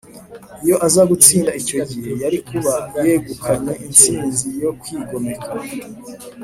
. Iyo aza gutsinda icyo gihe, yari kuba yegukanye intsinzi yo kwigomeka